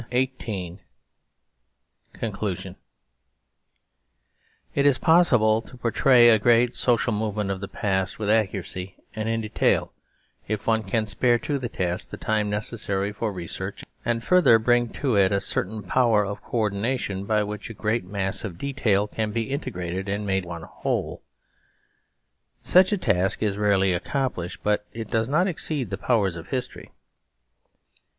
183 CONCLUSION CONCLUSION IT IS POSSIBLE TO PORTRAY A GREAT social movement of the past with accuracy and in detail if one can spare to the task the time necessary for research and further bring to it a certain power of co ordination by which a great mass of detail can be integrated and made one whole. Such a task is rarely accomplished, but it does not exceed the powers of history.